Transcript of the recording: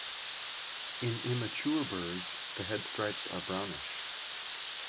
In immature birds, the head stripes are brownish.